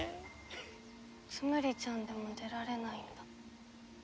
ツムリちゃんでも出られないんだ。